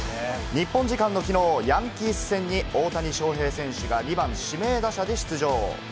日本時間のきのう、ヤンキース戦に大谷翔平選手が２番・指名打者で出場。